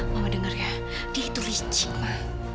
mama dengar ya dia itu licik ma